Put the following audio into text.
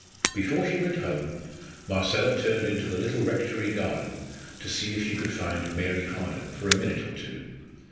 Before she went home, Marcella turned into the little rectory garden to see if she could find Mary Harden for a minute or two.